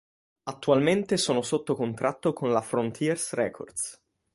Attualmente sono sotto contratto con la Frontiers Records.